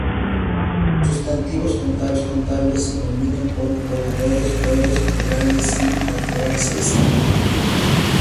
Los sustantivos contables se combinan con cuantificadores plurales sin alterarse semánticamente.